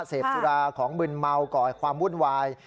เสพสุราของมึนเมาก่อความวุ่นวาย